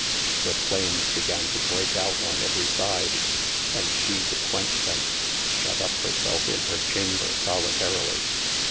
The flames began to breake out on every side : and she to quench them, \ shut up hir selfe in hir chamber solitarily.